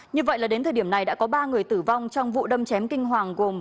như vậy là đến thời điểm này đã có ba người tử vong trong vụ đâm chém kinh hoàng gồm